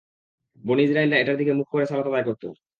বনী ইসরাঈলরা এটার দিকে মুখ করে সালাত আদায় করত।